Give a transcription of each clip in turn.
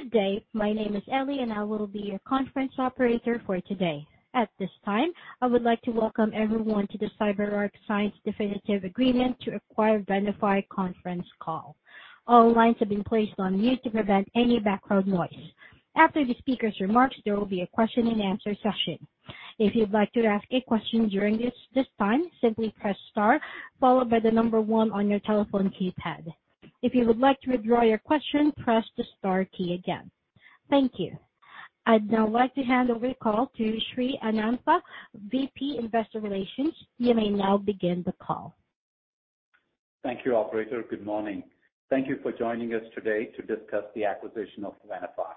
Good day. My name is Ellie, and I will be your conference operator for today. At this time, I would like to welcome everyone to the CyberArk Signs Definitive Agreement to acquire Venafi conference call. All lines have been placed on mute to prevent any background noise. After the speaker's remarks, there will be a question and answer session. If you'd like to ask a question during this time, simply press star followed by the number one on your telephone keypad. If you would like to withdraw your question, press the star key again. Thank you. I'd now like to hand over the call to Sri Anantha, VP, Investor Relations. You may now begin the call. Thank you, operator. Good morning. Thank you for joining us today to discuss the acquisition of Venafi.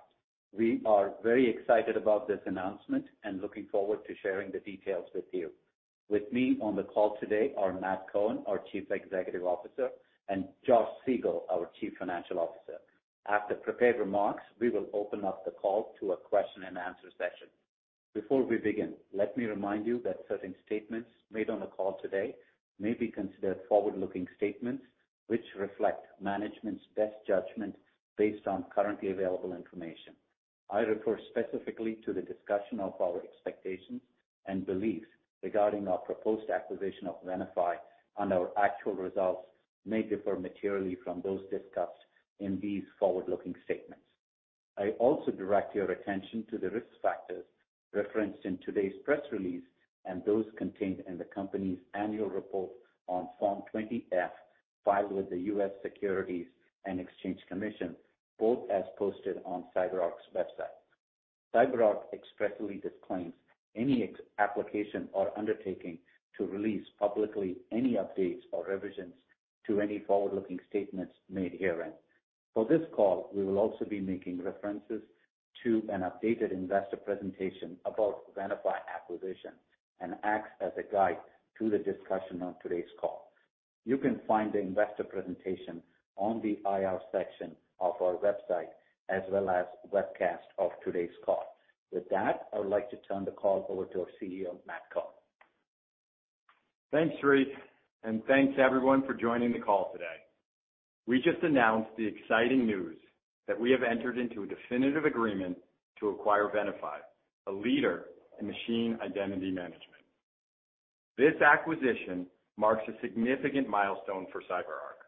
We are very excited about this announcement and looking forward to sharing the details with you. With me on the call today are Matt Cohen, our Chief Executive Officer; and Josh Siegel, our Chief Financial Officer. After prepared remarks, we will open up the call to a question and answer session. Before we begin, let me remind you that certain statements made on the call today may be considered forward-looking statements, which reflect management's best judgment based on currently available information. I refer specifically to the discussion of our expectations and beliefs regarding our proposed acquisition of Venafi, and our actual results may differ materially from those discussed in these forward-looking statements. I also direct your attention to the risk factors referenced in today's press release and those contained in the company's annual report on Form 20-F, filed with the U.S. Securities and Exchange Commission, both as posted on CyberArk's website. CyberArk expressly disclaims any obligation or undertaking to release publicly any updates or revisions to any forward-looking statements made herein. For this call, we will also be making references to an updated investor presentation about the Venafi acquisition and it acts as a guide to the discussion on today's call. You can find the investor presentation on the IR section of our website, as well as the webcast of today's call. With that, I would like to turn the call over to our CEO, Matt Cohen. Thanks, Sri, and thanks, everyone, for joining the call today. We just announced the exciting news that we have entered into a definitive agreement to acquire Venafi, a leader in machine identity management. This acquisition marks a significant milestone for CyberArk,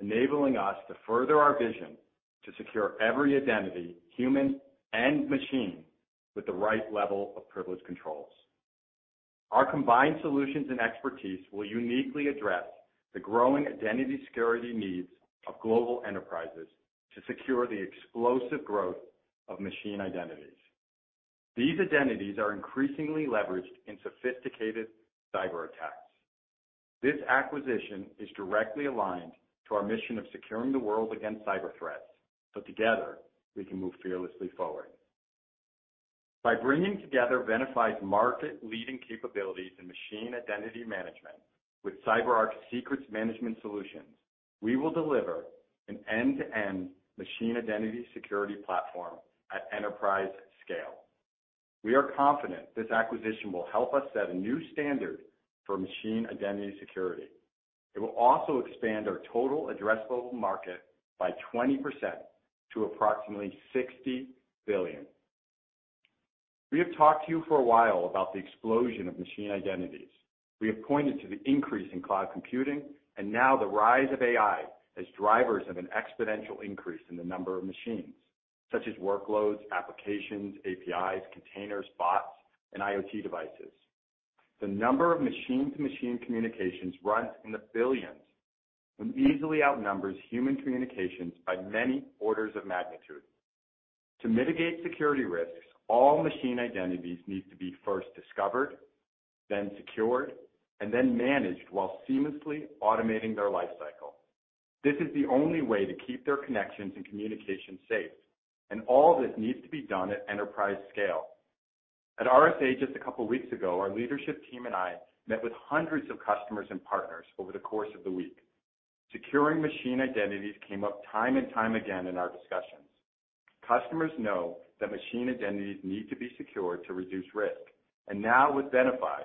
enabling us to further our vision to secure every identity, human and machine, with the right level of privilege controls. Our combined solutions and expertise will uniquely address the growing identity security needs of global enterprises to secure the explosive growth of machine identities. These identities are increasingly leveraged in sophisticated cyberattacks. This acquisition is directly aligned to our mission of securing the world against cyber threats, so together, we can move fearlessly forward. By bringing together Venafi's market-leading capabilities in machine identity management with CyberArk's secrets management solutions, we will deliver an end-to-end machine identity security platform at enterprise scale. We are confident this acquisition will help us set a new standard for machine identity security. It will also expand our total addressable market by 20% to approximately $60 billion. We have talked to you for a while about the explosion of machine identities. We have pointed to the increase in cloud computing, and now the rise of AI as drivers of an exponential increase in the number of machines, such as workloads, applications, APIs, containers, bots, and IoT devices. The number of machine-to-machine communications runs in the billions and easily outnumbers human communications by many orders of magnitude. To mitigate security risks, all machine identities need to be first discovered, then secured, and then managed while seamlessly automating their lifecycle. This is the only way to keep their connections and communication safe, and all this needs to be done at enterprise scale. At RSA, just a couple of weeks ago, our leadership team and I met with hundreds of customers and partners over the course of the week. Securing machine identities came up time and time again in our discussions. Customers know that machine identities need to be secured to reduce risk, and now with Venafi,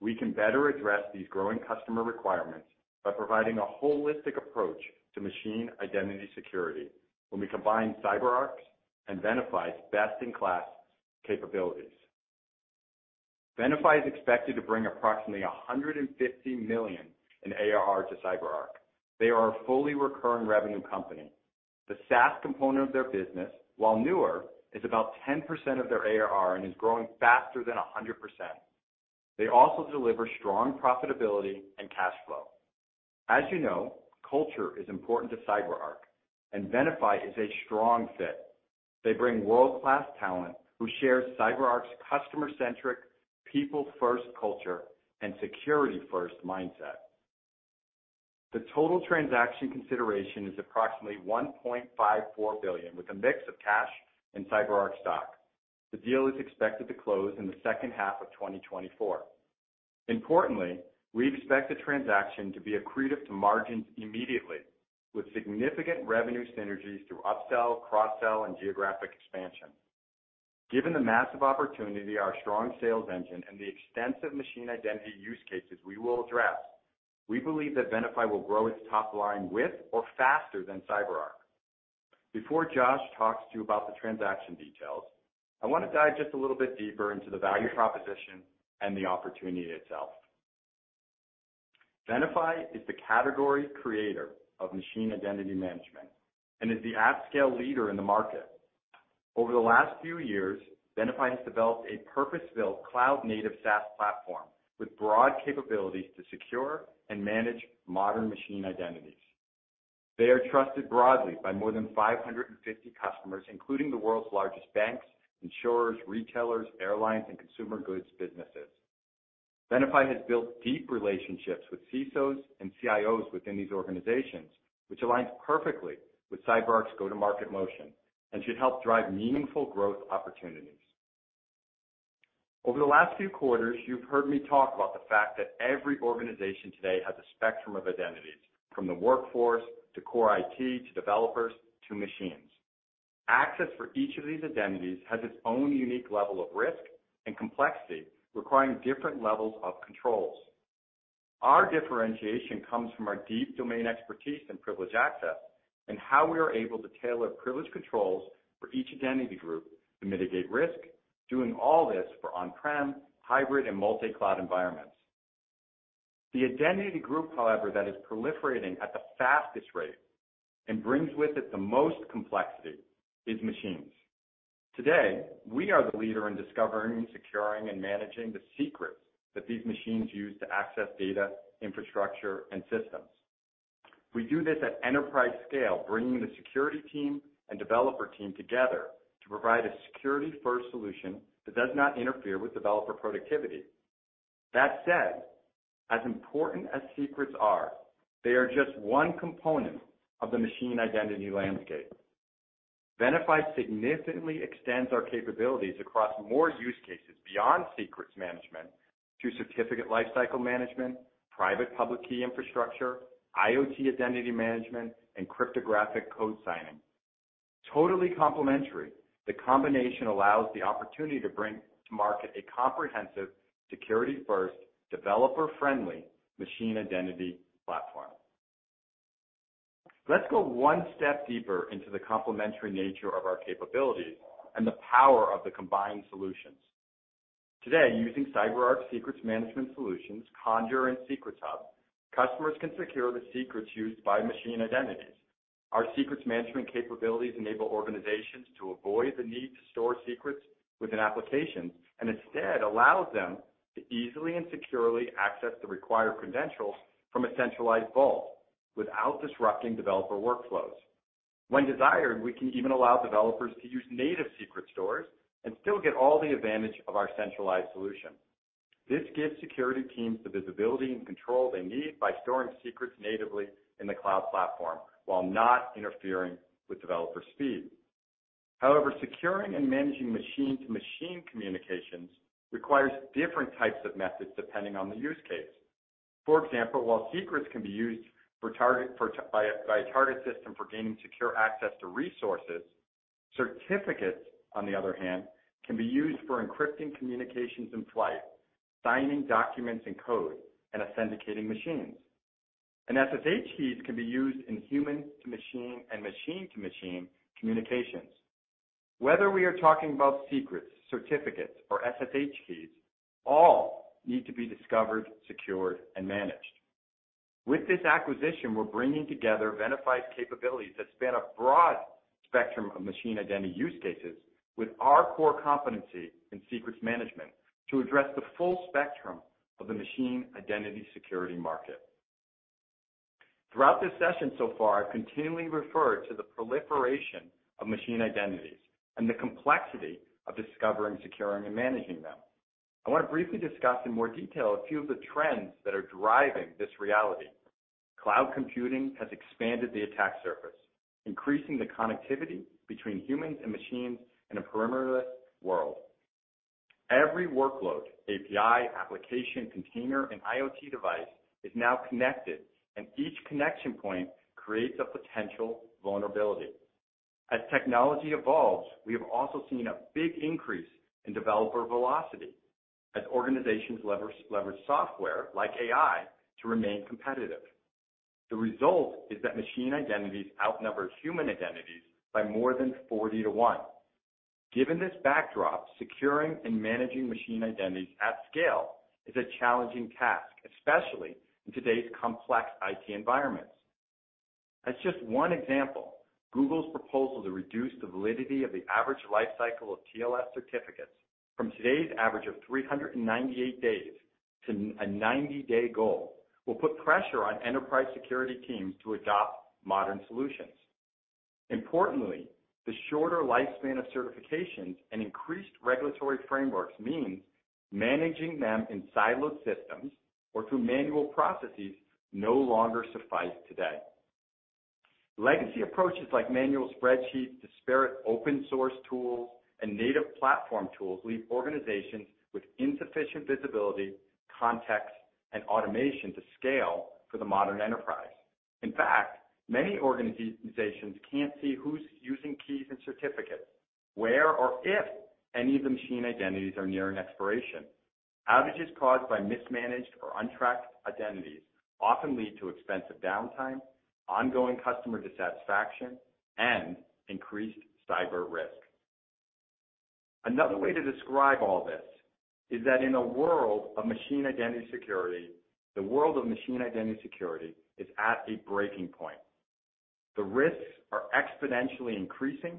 we can better address these growing customer requirements by providing a holistic approach to machine identity security when we combine CyberArk's and Venafi's best-in-class capabilities. Venafi is expected to bring approximately $150 million in ARR to CyberArk. They are a fully recurring revenue company. The SaaS component of their business, while newer, is about 10% of their ARR and is growing faster than 100%. They also deliver strong profitability and cash flow. As you know, culture is important to CyberArk, and Venafi is a strong fit. They bring world-class talent who shares CyberArk's customer-centric, people-first culture and security-first mindset. The total transaction consideration is approximately $1.54 billion, with a mix of cash and CyberArk stock. The deal is expected to close in the second half of 2024. Importantly, we expect the transaction to be accretive to margins immediately, with significant revenue synergies through upsell, cross-sell, and geographic expansion. Given the massive opportunity, our strong sales engine, and the extensive machine identity use cases we will address, we believe that Venafi will grow its top line with or faster than CyberArk. Before Josh talks to you about the transaction details, I want to dive just a little bit deeper into the value proposition and the opportunity itself. Venafi is the category creator of machine identity management and is the at-scale leader in the market. Over the last few years, Venafi has developed a purpose-built cloud-native SaaS platform with broad capabilities to secure and manage modern machine identities. They are trusted broadly by more than 550 customers, including the world's largest banks, insurers, retailers, airlines, and consumer goods businesses. Venafi has built deep relationships with CISOs and CIOs within these organizations, which aligns perfectly with CyberArk's go-to-market motion and should help drive meaningful growth opportunities. Over the last few quarters, you've heard me talk about the fact that every organization today has a spectrum of identities, from the workforce, to core IT, to developers, to machines. Access for each of these identities has its own unique level of risk and complexity, requiring different levels of controls. Our differentiation comes from our deep domain expertise in privileged access and how we are able to tailor privilege controls for each identity group to mitigate risk, doing all this for on-prem, hybrid, and multi-cloud environments. The identity group, however, that is proliferating at the fastest rate and brings with it the most complexity is machines. Today, we are the leader in discovering, securing, and managing the secrets that these machines use to access data, infrastructure, and systems. We do this at enterprise scale, bringing the security team and developer team together to provide a security-first solution that does not interfere with developer productivity. That said, as important as secrets are, they are just one component of the machine identity landscape. Venafi significantly extends our capabilities across more use cases beyond secrets management to certificate lifecycle management, private public key infrastructure, IoT identity management, and cryptographic code signing. Totally complementary, the combination allows the opportunity to bring to market a comprehensive, security-first, developer-friendly machine identity platform. Let's go one step deeper into the complementary nature of our capabilities and the power of the combined solutions. Today, using CyberArk's secrets management solutions, Conjur and Secrets Hub, customers can secure the secrets used by machine identities. Our secrets management capabilities enable organizations to avoid the need to store secrets within applications, and instead allows them to easily and securely access the required credentials from a centralized vault without disrupting developer workflows. When desired, we can even allow developers to use native secret stores and still get all the advantage of our centralized solution. This gives security teams the visibility and control they need by storing secrets natively in the cloud platform while not interfering with developer speed. However, securing and managing machine-to-machine communications requires different types of methods depending on the use case. For example, while secrets can be used for, by a target system for gaining secure access to resources, certificates, on the other hand, can be used for encrypting communications in flight, signing documents and code, and authenticating machines. SSH keys can be used in human-to-machine and machine-to-machine communications. Whether we are talking about secrets, certificates, or SSH keys, all need to be discovered, secured, and managed. With this acquisition, we're bringing together Venafi's capabilities that span a broad spectrum of machine identity use cases with our core competency in secrets management to address the full spectrum of the machine identity security market. Throughout this session so far, I've continually referred to the proliferation of machine identities and the complexity of discovering, securing, and managing them. I want to briefly discuss in more detail a few of the trends that are driving this reality. Cloud computing has expanded the attack surface, increasing the connectivity between humans and machines in a perimeterless world. Every workload, API, application, container, and IoT device is now connected, and each connection point creates a potential vulnerability. As technology evolves, we have also seen a big increase in developer velocity as organizations leverage software like AI to remain competitive. The result is that machine identities outnumber human identities by more than 40 to 1. Given this backdrop, securing and managing machine identities at scale is a challenging task, especially in today's complex IT environments. As just one example, Google's proposal to reduce the validity of the average life cycle of TLS certificates from today's average of 398 days to a 90-day goal will put pressure on enterprise security teams to adopt modern solutions. Importantly, the shorter lifespan of certificates and increased regulatory frameworks means managing them in siloed systems or through manual processes no longer suffice today. Legacy approaches like manual spreadsheets, disparate open source tools, and native platform tools leave organizations with insufficient visibility, context, and automation to scale for the modern enterprise.... In fact, many organizations can't see who's using keys and certificates, where or if any of the machine identities are nearing expiration. Outages caused by mismanaged or untracked identities often lead to expensive downtime, ongoing customer dissatisfaction, and increased cyber risk. Another way to describe all this is that in a world of machine identity security, the world of machine identity security is at a breaking point. The risks are exponentially increasing,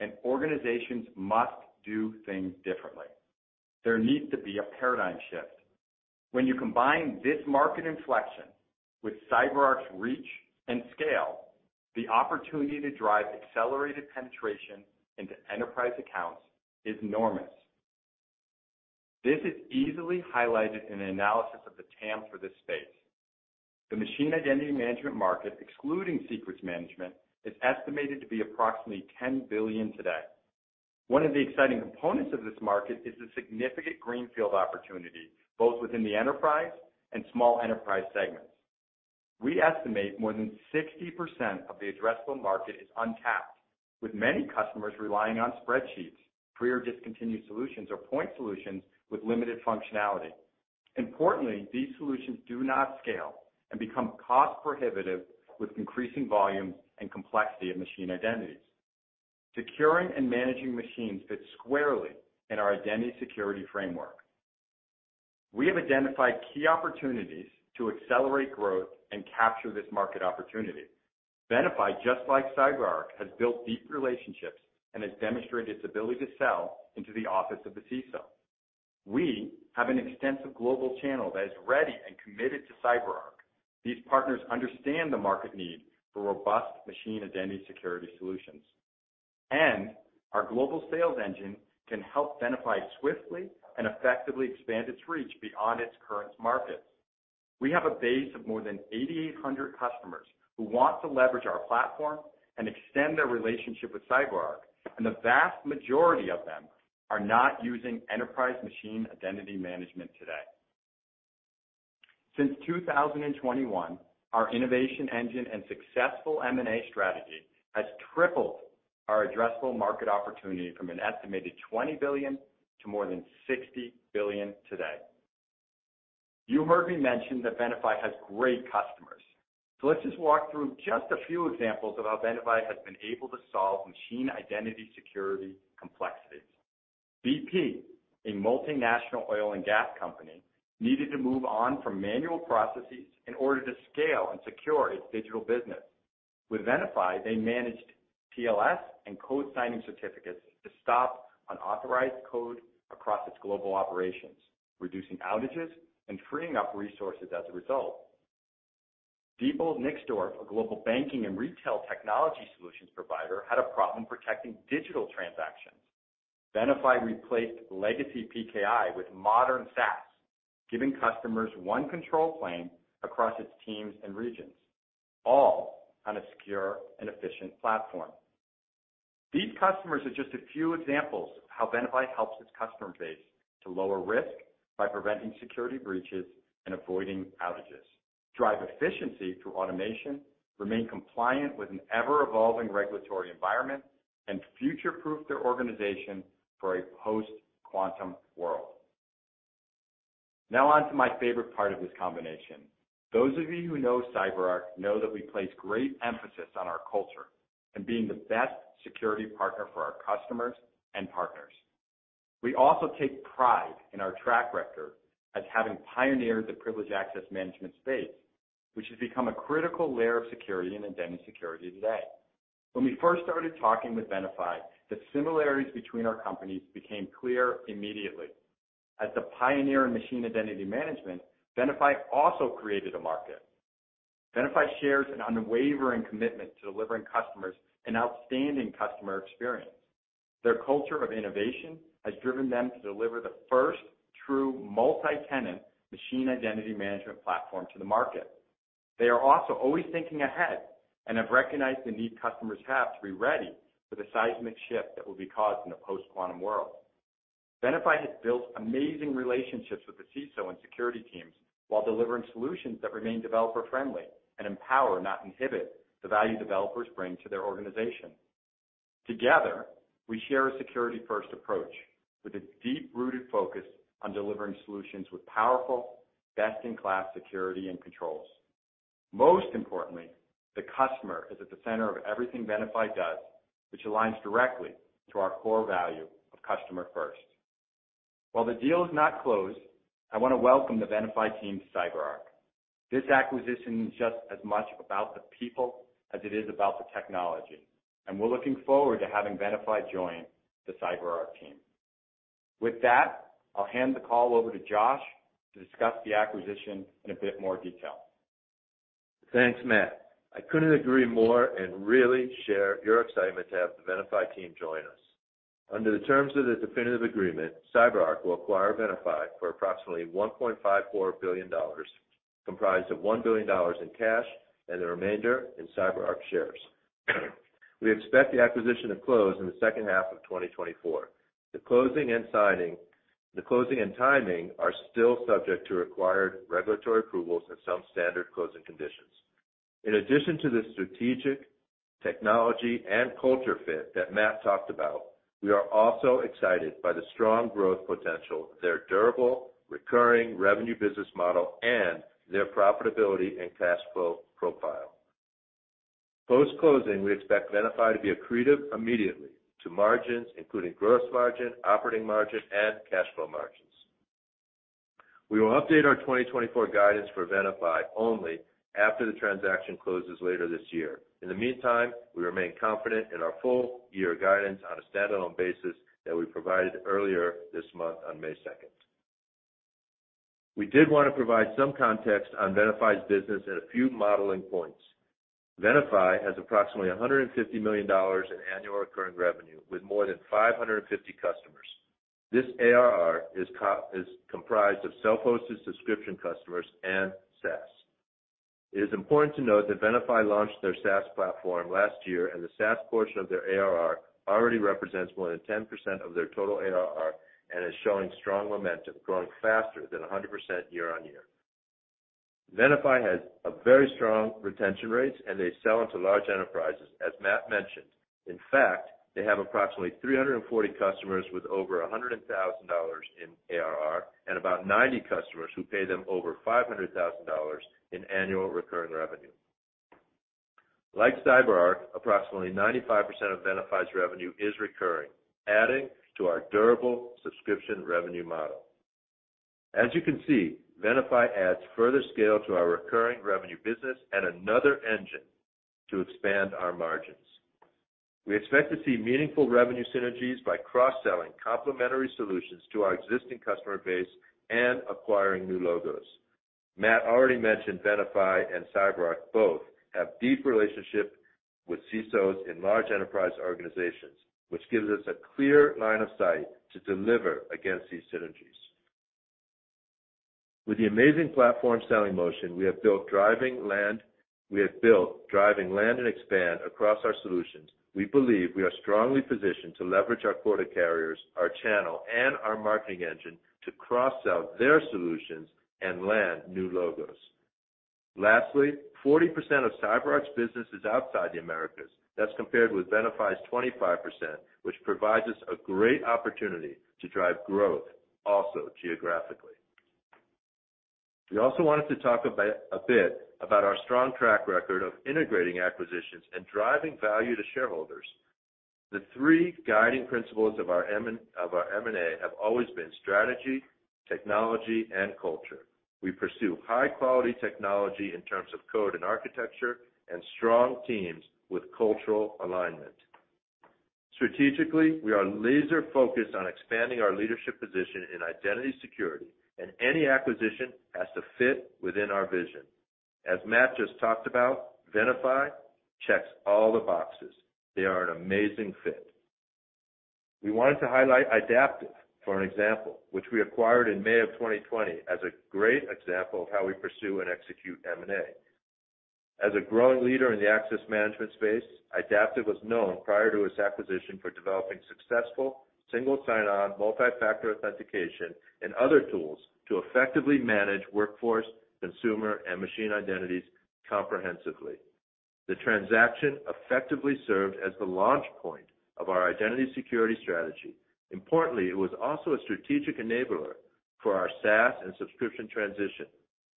and organizations must do things differently. There needs to be a paradigm shift. When you combine this market inflection with CyberArk's reach and scale, the opportunity to drive accelerated penetration into enterprise accounts is enormous. This is easily highlighted in an analysis of the TAM for this space. The machine identity management market, excluding secrets management, is estimated to be approximately $10 billion today. One of the exciting components of this market is the significant greenfield opportunity, both within the enterprise and small enterprise segments. We estimate more than 60% of the addressable market is untapped, with many customers relying on spreadsheets, free or discontinued solutions, or point solutions with limited functionality. Importantly, these solutions do not scale and become cost prohibitive with increasing volume and complexity of machine identities. Securing and managing machines fits squarely in our identity security framework. We have identified key opportunities to accelerate growth and capture this market opportunity. Venafi, just like CyberArk, has built deep relationships and has demonstrated its ability to sell into the office of the CISO. We have an extensive global channel that is ready and committed to CyberArk. These partners understand the market need for robust machine identity security solutions, and our global sales engine can help Venafi swiftly and effectively expand its reach beyond its current markets. We have a base of more than 8,800 customers who want to leverage our platform and extend their relationship with CyberArk, and the vast majority of them are not using enterprise machine identity management today. Since 2021, our innovation engine and successful M&A strategy has tripled our addressable market opportunity from an estimated $20 billion to more than $60 billion today. You heard me mention that Venafi has great customers. So let's just walk through just a few examples of how Venafi has been able to solve machine identity security complexities. BP, a multinational oil and gas company, needed to move on from manual processes in order to scale and secure its digital business. With Venafi, they managed TLS and code signing certificates to stop unauthorized code across its global operations, reducing outages and freeing up resources as a result. Diebold Nixdorf, a global banking and retail technology solutions provider, had a problem protecting digital transactions. Venafi replaced legacy PKI with modern SaaS, giving customers one control plane across its teams and regions, all on a secure and efficient platform. These customers are just a few examples of how Venafi helps its customer base to lower risk by preventing security breaches and avoiding outages, drive efficiency through automation, remain compliant with an ever-evolving regulatory environment, and future-proof their organization for a post-quantum world. Now on to my favorite part of this combination. Those of you who know CyberArk know that we place great emphasis on our culture and being the best security partner for our customers and partners. We also take pride in our track record as having pioneered the privileged access management space, which has become a critical layer of security and identity security today. When we first started talking with Venafi, the similarities between our companies became clear immediately. As the pioneer in machine identity management, Venafi also created a market. Venafi shares an unwavering commitment to delivering customers an outstanding customer experience. Their culture of innovation has driven them to deliver the first true multi-tenant machine identity management platform to the market. They are also always thinking ahead and have recognized the need customers have to be ready for the seismic shift that will be caused in a post-quantum world. Venafi has built amazing relationships with the CISO and security teams while delivering solutions that remain developer-friendly and empower, not inhibit, the value developers bring to their organization. Together, we share a security-first approach with a deep-rooted focus on delivering solutions with powerful, best-in-class security and controls. Most importantly, the customer is at the center of everything Venafi does, which aligns directly to our core value of customer first. While the deal is not closed, I want to welcome the Venafi team to CyberArk. This acquisition is just as much about the people as it is about the technology, and we're looking forward to having Venafi join the CyberArk team. With that, I'll hand the call over to Josh to discuss the acquisition in a bit more detail. Thanks, Matt. I couldn't agree more and really share your excitement to have the Venafi team join us. Under the terms of the definitive agreement, CyberArk will acquire Venafi for approximately $1.54 billion, comprised of $1 billion in cash and the remainder in CyberArk shares. We expect the acquisition to close in the second half of 2024. The closing and timing are still subject to required regulatory approvals and some standard closing conditions. In addition to the strategic technology and culture fit that Matt talked about, we are also excited by the strong growth potential, their durable, recurring revenue business model, and their profitability and cash flow profile. Post-closing, we expect Venafi to be accretive immediately to margins, including gross margin, operating margin, and cash flow margins. We will update our 2024 guidance for Venafi only after the transaction closes later this year. In the meantime, we remain confident in our full-year guidance on a standalone basis that we provided earlier this month on May 2nd. We did want to provide some context on Venafi's business and a few modeling points. Venafi has approximately $150 million in annual recurring revenue, with more than 550 customers. This ARR is comprised of self-hosted subscription customers and SaaS. It is important to note that Venafi launched their SaaS platform last year, and the SaaS portion of their ARR already represents more than 10% of their total ARR and is showing strong momentum, growing faster than 100% year-on-year. Venafi has a very strong retention rates, and they sell into large enterprises, as Matt mentioned. In fact, they have approximately 340 customers with over $100,000 in ARR and about 90 customers who pay them over $500,000 in annual recurring revenue. Like CyberArk, approximately 95% of Venafi's revenue is recurring, adding to our durable subscription revenue model. As you can see, Venafi adds further scale to our recurring revenue business and another engine to expand our margins. We expect to see meaningful revenue synergies by cross-selling complementary solutions to our existing customer base and acquiring new logos. Matt already mentioned Venafi and CyberArk both have deep relationship with CISOs in large enterprise organizations, which gives us a clear line of sight to deliver against these synergies. With the amazing platform selling motion, we have built driving land and expand across our solutions. We believe we are strongly positioned to leverage our key carriers, our channel, and our marketing engine to cross-sell their solutions and land new logos. Lastly, 40% of CyberArk's business is outside the Americas. That's compared with Venafi's 25%, which provides us a great opportunity to drive growth also geographically. We also wanted to talk about, a bit about our strong track record of integrating acquisitions and driving value to shareholders. The three guiding principles of our M&A have always been strategy, technology, and culture. We pursue high-quality technology in terms of code and architecture, and strong teams with cultural alignment. Strategically, we are laser-focused on expanding our leadership position in identity security, and any acquisition has to fit within our vision. As Matt just talked about, Venafi checks all the boxes. They are an amazing fit. We wanted to highlight Idaptive for an example, which we acquired in May 2020, as a great example of how we pursue and execute M&A. As a growing leader in the access management space, Idaptive was known prior to its acquisition for developing successful single sign-on, multi-factor authentication, and other tools to effectively manage workforce, consumer, and machine identities comprehensively. The transaction effectively served as the launch point of our identity security strategy. Importantly, it was also a strategic enabler for our SaaS and subscription transition,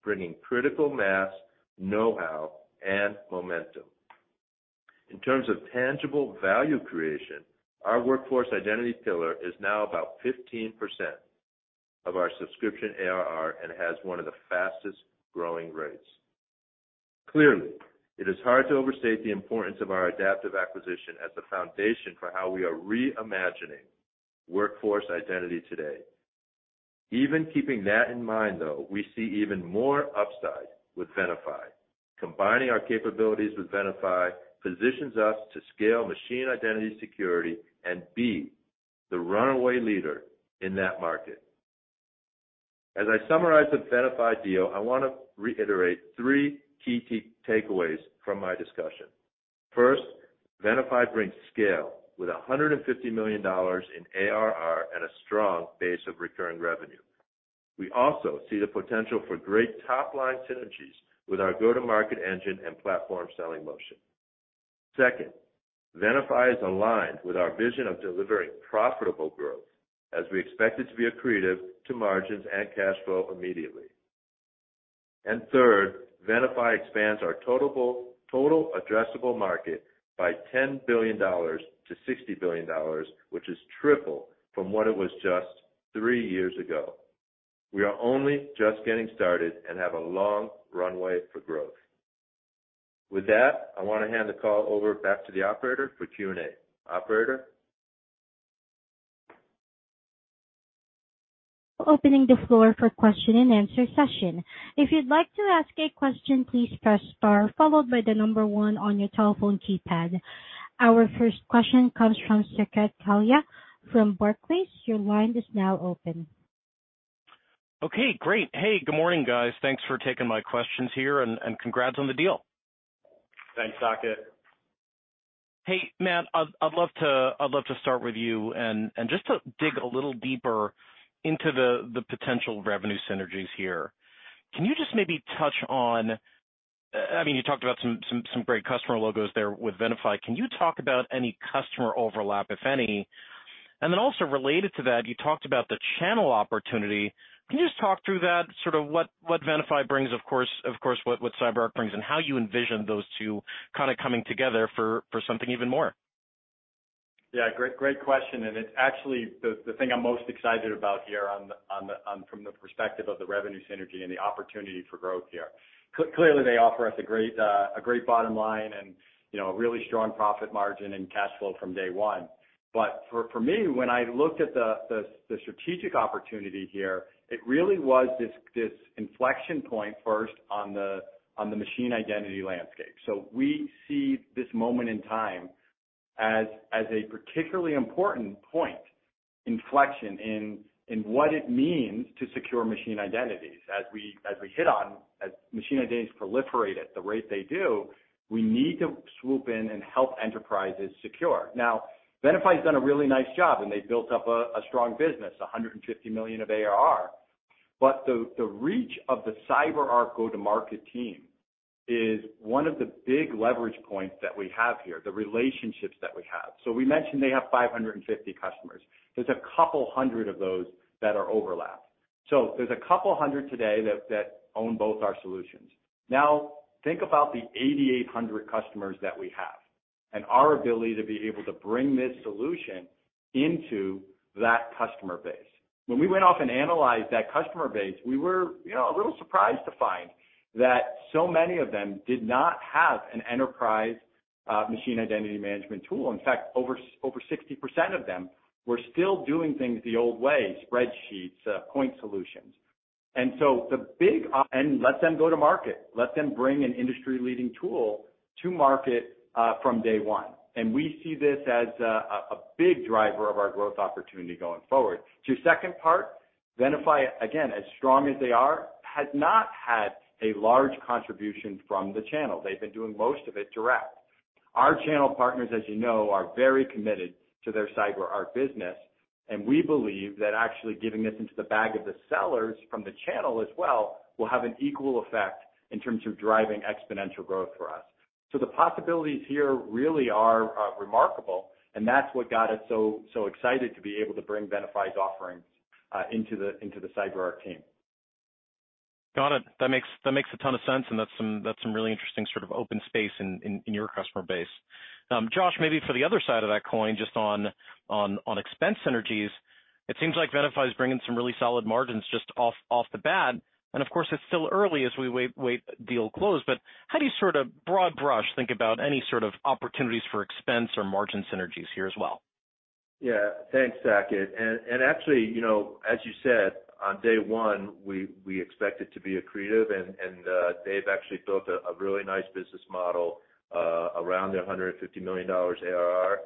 bringing critical mass, know-how, and momentum. In terms of tangible value creation, our workforce identity pillar is now about 15% of our subscription ARR and has one of the fastest-growing rates. Clearly, it is hard to overstate the importance of our Idaptive acquisition as the foundation for how we are reimagining workforce identity today. Even keeping that in mind, though, we see even more upside with Venafi. Combining our capabilities with Venafi positions us to scale machine identity security and be the runaway leader in that market. As I summarize the Venafi deal, I want to reiterate three key takeaways from my discussion. First, Venafi brings scale with $150 million in ARR and a strong base of recurring revenue. We also see the potential for great top-line synergies with our go-to-market engine and platform selling motion. Second, Venafi is aligned with our vision of delivering profitable growth as we expect it to be accretive to margins and cash flow immediately. And third, Venafi expands our total addressable market by $10 billion-$60 billion, which is triple from what it was just three years ago. We are only just getting started and have a long runway for growth. With that, I want to hand the call over back to the operator for Q&A. Operator? Opening the floor for question-and-answer session. If you'd like to ask a question, please press star, followed by the number one on your telephone keypad. Our first question comes from Saket Kalia from Barclays. Your line is now open. Okay, great. Hey, good morning, guys. Thanks for taking my questions here, and congrats on the deal. Thanks, Saket. Hey, Matt, I'd love to start with you, and just to dig a little deeper into the potential revenue synergies here. Can you just maybe touch on—I mean, you talked about some great customer logos there with Venafi. Can you talk about any customer overlap, if any? And then also related to that, you talked about the channel opportunity. Can you just talk through that, sort of what Venafi brings, of course, what CyberArk brings, and how you envision those two kind of coming together for something even more? Yeah, great, great question, and it's actually the thing I'm most excited about here on from the perspective of the revenue synergy and the opportunity for growth here. Clearly, they offer us a great bottom line and, you know, a really strong profit margin and cash flow from day one. But for me, when I looked at the strategic opportunity here, it really was this inflection point first on the machine identity landscape. So we see this moment in time as a particularly important point inflection in what it means to secure machine identities. As we hit on, as machine identities proliferate at the rate they do, we need to swoop in and help enterprises secure. Now, Venafi's done a really nice job, and they've built up a strong business, $150 million of ARR. But the reach of the CyberArk go-to-market team is one of the big leverage points that we have here, the relationships that we have. So we mentioned they have 550 customers. There's a couple hundred of those that are overlapped. So there's a couple hundred today that own both our solutions. Now, think about the 8,800 customers that we have and our ability to be able to bring this solution into that customer base. When we went off and analyzed that customer base, we were, you know, a little surprised to find that so many of them did not have an enterprise machine identity management tool. In fact, over 60% of them were still doing things the old way, spreadsheets, point solutions. And let them go to market, let them bring an industry-leading tool to market, from day one. And we see this as a big driver of our growth opportunity going forward. To your second part, Venafi, again, as strong as they are, has not had a large contribution from the channel. They've been doing most of it direct. Our channel partners, as you know, are very committed to their CyberArk business, and we believe that actually giving this into the bag of the sellers from the channel as well, will have an equal effect in terms of driving exponential growth for us. So the possibilities here really are remarkable, and that's what got us so, so excited to be able to bring Venafi's offerings into the CyberArk team. Got it. That makes a ton of sense, and that's some really interesting sort of open space in your customer base. Josh, maybe for the other side of that coin, just on expense synergies, it seems like Venafi is bringing some really solid margins just off the bat. And of course, it's still early as we wait deal close. But how do you sort of broad brush think about any sort of opportunities for expense or margin synergies here as well? Yeah. Thanks, Saket. And actually, you know, as you said, on day one, we expect it to be accretive, and they've actually built a really nice business model around their $150 million ARR.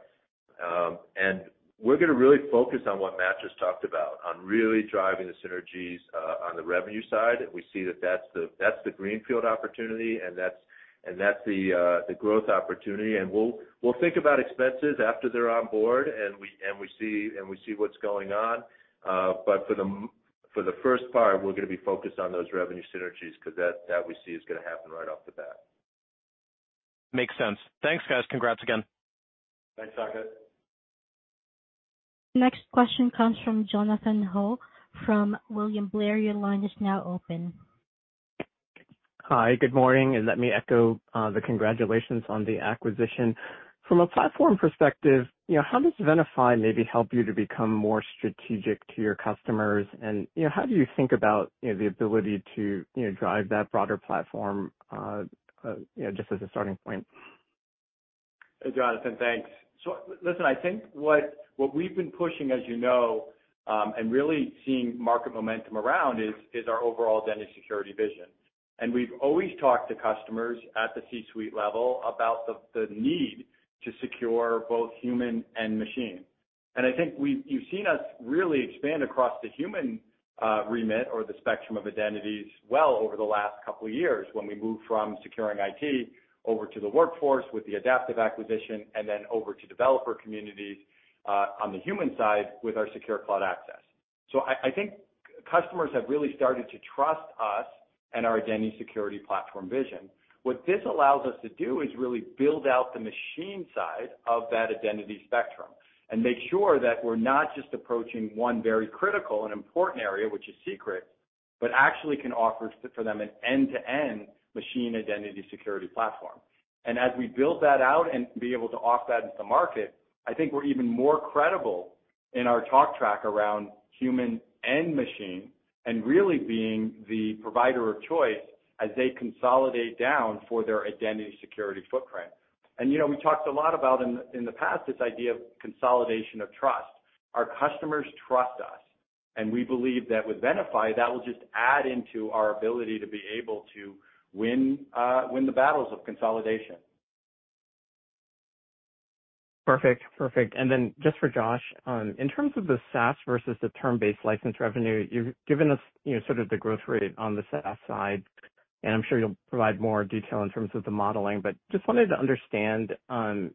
And we're gonna really focus on what Matt just talked about, on really driving the synergies on the revenue side. We see that that's the greenfield opportunity, and that's the growth opportunity. And we'll think about expenses after they're on board and we see what's going on. But for the first part, we're gonna be focused on those revenue synergies 'cause that we see is gonna happen right off the bat. Makes sense. Thanks, guys. Congrats again. Thanks, Saket. Next question comes from Jonathan Ho from William Blair. Your line is now open. Hi, good morning, and let me echo the congratulations on the acquisition. From a platform perspective, you know, how does Venafi maybe help you to become more strategic to your customers? And, you know, how do you think about, you know, the ability to, you know, drive that broader platform, you know, just as a starting point? Jonathan, thanks. So listen, I think what we've been pushing, as you know, and really seeing market momentum around is our overall identity security vision. And we've always talked to customers at the C-suite level about the need to secure both human and machine. And I think you've seen us really expand across the human remit or the spectrum of identities well over the last couple of years, when we moved from securing IT over to the workforce with the Idaptive acquisition and then over to developer communities on the human side with our Secure Cloud Access. So I think customers have really started to trust us and our identity security platform vision. What this allows us to do is really build out the machine side of that identity spectrum and make sure that we're not just approaching one very critical and important area, which is secrets, but actually can offer for them an end-to-end machine identity security platform. And as we build that out and be able to offer that into the market, I think we're even more credible in our talk track around human and machine and really being the provider of choice as they consolidate down for their identity security footprint. And, you know, we talked a lot about in, in the past, this idea of consolidation of trust. Our customers trust us, and we believe that with Venafi, that will just add into our ability to be able to win, win the battles of consolidation. Perfect. Perfect. And then just for Josh, in terms of the SaaS versus the term-based license revenue, you've given us, you know, sort of the growth rate on the SaaS side. And I'm sure you'll provide more detail in terms of the modeling, but just wanted to understand,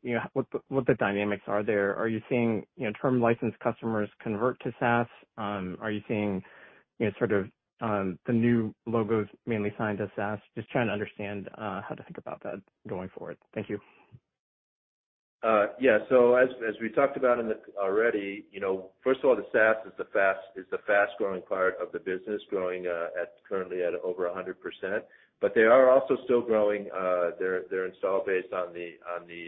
you know, what the dynamics are there. Are you seeing, you know, term license customers convert to SaaS? Are you seeing, you know, sort of, the new logos mainly signed as SaaS? Just trying to understand, how to think about that going forward. Thank you. Yeah, so as we talked about already, you know, first of all, the SaaS is the fast-growing part of the business, growing at over 100%. But they are also still growing their install base on the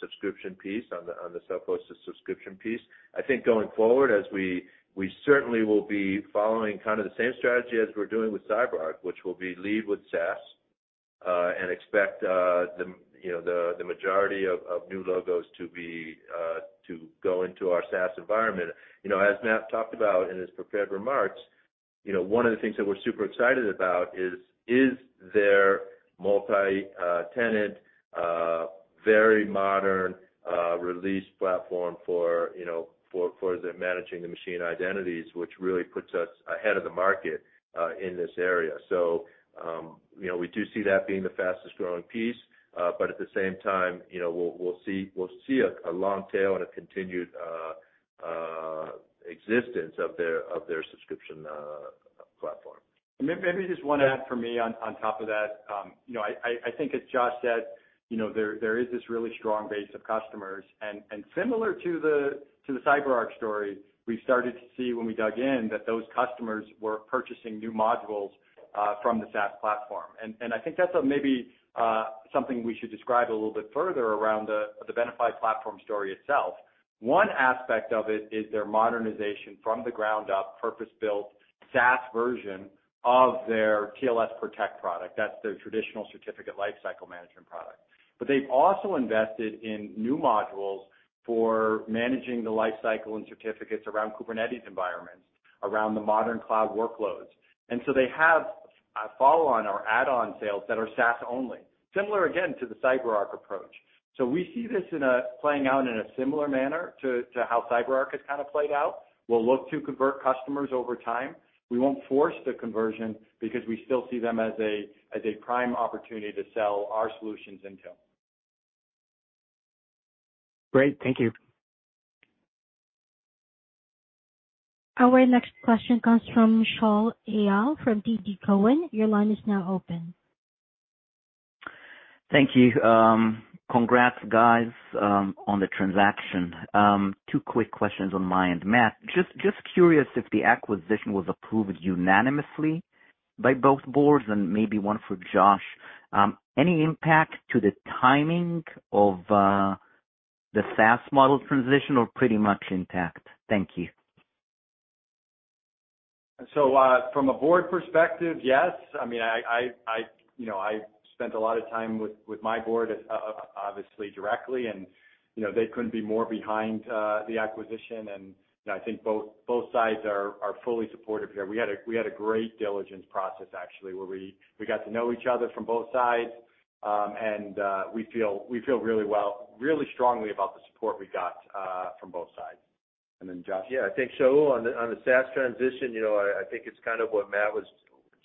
subscription piece, on the self-hosted subscription piece. I think going forward, as we certainly will be following kind of the same strategy as we're doing with CyberArk, which will be lead with SaaS, and expect the, you know, the majority of new logos to be to go into our SaaS environment. You know, as Matt talked about in his prepared remarks, you know, one of the things that we're super excited about is their multi-tenant very modern release platform for managing the machine identities, which really puts us ahead of the market in this area. So, you know, we do see that being the fastest growing piece, but at the same time, you know, we'll see a long tail and a continued existence of their subscription platform. Maybe just one add from me on top of that. You know, I think as Josh said, you know, there is this really strong base of customers. And similar to the CyberArk story, we started to see when we dug in that those customers were purchasing new modules from the SaaS platform. And I think that's maybe something we should describe a little bit further around the Venafi platform story itself. One aspect of it is their modernization from the ground up, purpose-built SaaS version of their TLS Protect product. That's their traditional certificate lifecycle management product. But they've also invested in new modules for managing the lifecycle and certificates around Kubernetes environments, around the modern cloud workloads. And so they have a follow-on or add-on sales that are SaaS only, similar again to the CyberArk approach. So we see this in a playing out in a similar manner to, to how CyberArk has kind of played out. We'll look to convert customers over time. We won't force the conversion because we still see them as a, as a prime opportunity to sell our solutions into. Great. Thank you. Our next question comes from Shaul Eyal from TD Cowen. Your line is now open. Thank you. Congrats, guys, on the transaction. Two quick questions on my end. Matt, just curious if the acquisition was approved unanimously by both boards? And maybe one for Josh, any impact to the timing of the SaaS model transition, or pretty much intact? Thank you. So, from a board perspective, yes. I mean, you know, I spent a lot of time with my board, obviously directly, and, you know, they couldn't be more behind the acquisition. And, you know, I think both sides are fully supportive here. We had a great diligence process actually, where we got to know each other from both sides. And we feel really well, really strongly about the support we got from both sides. And then Josh? Yeah, I think, Shaul, on the SaaS transition, you know, I think it's kind of what Matt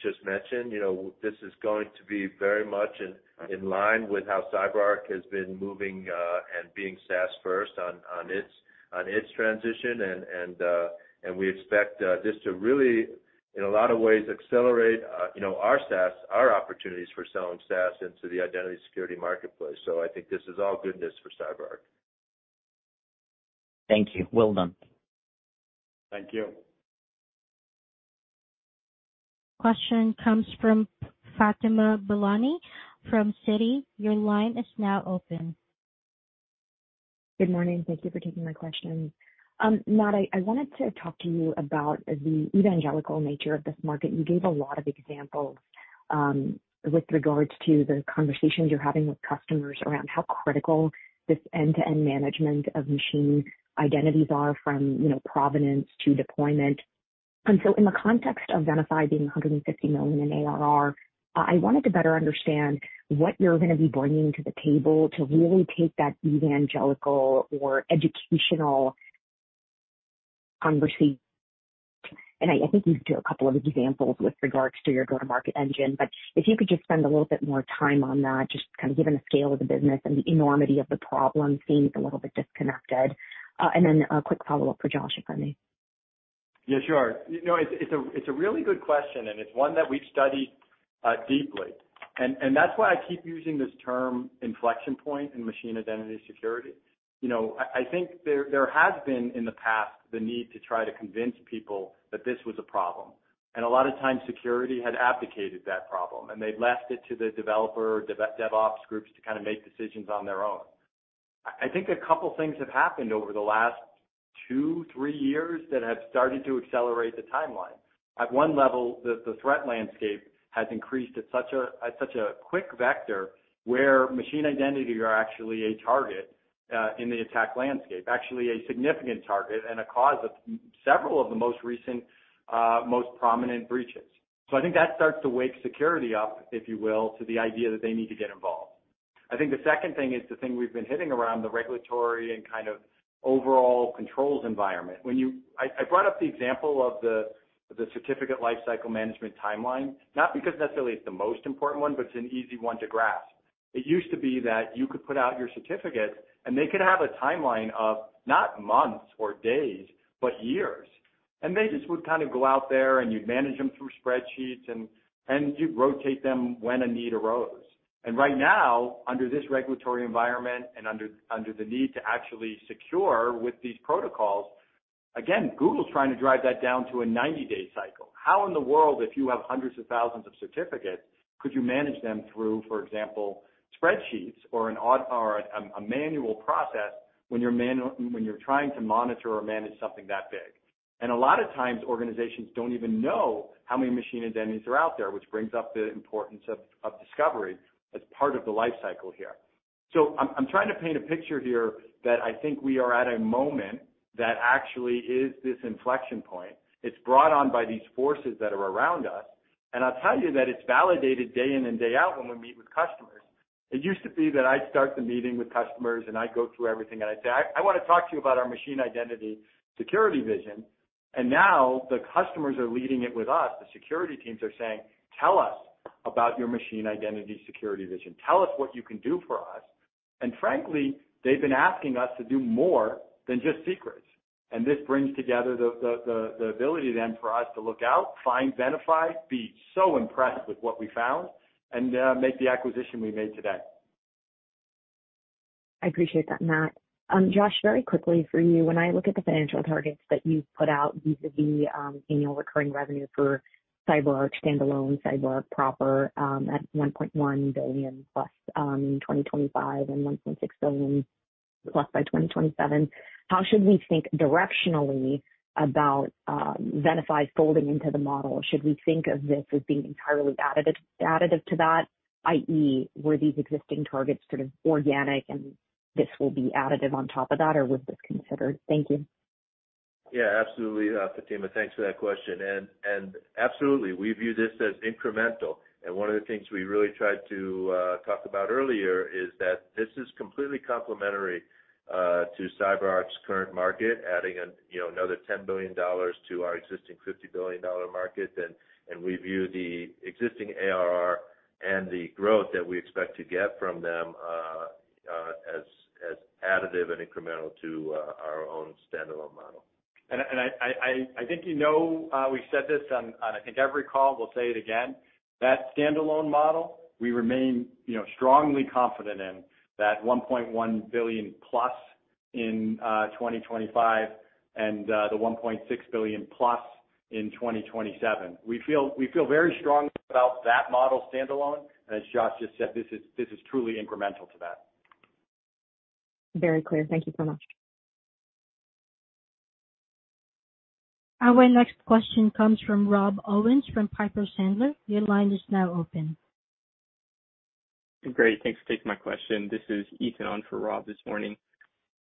just mentioned. You know, this is going to be very much in line with how CyberArk has been moving, and being SaaS first on its transition. And we expect this to really, in a lot of ways, accelerate our SaaS opportunities for selling SaaS into the identity security marketplace. So I think this is all good news for CyberArk. Thank you. Well done. Thank you. Question comes from Fatima Boolani from Citi. Your line is now open. Good morning. Thank you for taking my question. Matt, I wanted to talk to you about the evangelical nature of this market. You gave a lot of examples with regards to the conversations you're having with customers around how critical this end-to-end management of machine identities are from, you know, provenance to deployment. And so in the context of Venafi being $150 million in ARR, I wanted to better understand what you're gonna be bringing to the table to really take that evangelical or educational conversation. And I think you gave a couple of examples with regards to your go-to-market engine, but if you could just spend a little bit more time on that, just kind of given the scale of the business and the enormity of the problem seems a little bit disconnected. Then a quick follow-up for Josh, if I may. Yeah, sure. You know, it's a really good question, and it's one that we've studied deeply. And that's why I keep using this term inflection point in machine identity security. You know, I think there has been, in the past, the need to try to convince people that this was a problem, and a lot of times security had abdicated that problem, and they'd left it to the developer, DevOps groups to kind of make decisions on their own. I think a couple things have happened over the last two, three years that have started to accelerate the timeline. At one level, the threat landscape has increased at such a quick vector, where machine identity are actually a target in the attack landscape. Actually, a significant target and a cause of several of the most recent, most prominent breaches. So I think that starts to wake security up, if you will, to the idea that they need to get involved. I think the second thing is the thing we've been hitting around the regulatory and kind of overall controls environment. When I brought up the example of the certificate lifecycle management timeline, not because necessarily it's the most important one, but it's an easy one to grasp. It used to be that you could put out your certificate, and they could have a timeline of not months or days, but years. And they just would kind of go out there, and you'd manage them through spreadsheets, and you'd rotate them when a need arose. And right now, under this regulatory environment and under the need to actually secure with these protocols, again, Google's trying to drive that down to a 90-day cycle. How in the world, if you have hundreds of thousands of certificates, could you manage them through, for example, spreadsheets or an odd or a manual process when you're trying to monitor or manage something that big? And a lot of times, organizations don't even know how many machine identities are out there, which brings up the importance of discovery as part of the life cycle here. So I'm trying to paint a picture here that I think we are at a moment that actually is this inflection point. It's brought on by these forces that are around us, and I'll tell you that it's validated day in and day out when we meet with customers. It used to be that I'd start the meeting with customers, and I'd go through everything, and I'd say, "I want to talk to you about our machine identity security vision." And now the customers are leading it with us. The security teams are saying, "Tell us about your machine identity security vision. Tell us what you can do for us." And frankly, they've been asking us to do more than just secrets. And this brings together the ability then for us to look out, find Venafi, be so impressed with what we found, and make the acquisition we made today. I appreciate that, Matt. Josh, very quickly for you. When I look at the financial targets that you've put out vis-a-vis, annual recurring revenue for CyberArk standalone, CyberArk proper, at $1.1 billion+ in 2025 and $1.6 billion+ by 2027, how should we think directionally about, Venafi folding into the model? Should we think of this as being entirely additive, additive to that, i.e., were these existing targets sort of organic and this will be additive on top of that, or was this considered? Thank you. Yeah, absolutely, Fatima, thanks for that question. And absolutely, we view this as incremental. And one of the things we really tried to talk about earlier is that this is completely complementary to CyberArk's current market, adding, you know, another $10 billion to our existing $50 billion market. And we view the existing ARR and the growth that we expect to get from them as additive and incremental to our own standalone model. And I think you know, we've said this on I think every call, we'll say it again, that standalone model, we remain you know, strongly confident in that $1.1 billion+ in 2025 and the $1.6 billion+ in 2027. We feel very strongly about that model standalone, and as Josh just said, this is truly incremental to that. Very clear. Thank you so much. Our next question comes from Rob Owens, from Piper Sandler. Your line is now open. Great, thanks for taking my question. This is Ethan on for Rob this morning.